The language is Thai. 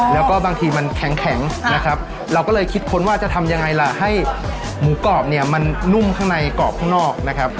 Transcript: แล้วก็บางทีมันแข็งนะครับเราก็เลยคิดค้นว่าจะทำยังไงล่ะให้หมูกรอบเนี่ยมันนุ่มข้างในกรอบข้างนอกนะครับ